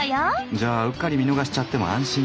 じゃあうっかり見逃しちゃっても安心ね。